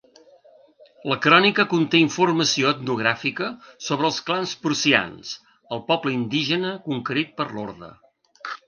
La crònica conté informació etnogràfica sobre els clans prussians, el poble indígena conquerit per l'orde.